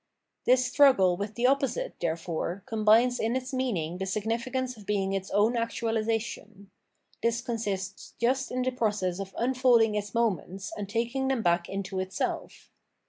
This struggle with the opposite, therefore, combines in its meaning the significance of being its own actualisa tion. This consists just in the process of unfolding its moments and taking them back into itself.